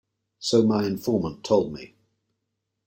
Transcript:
So my informant told me.